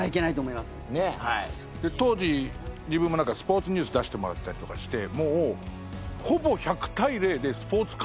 当時自分もスポーツニュース出してもらったりとかしてもう。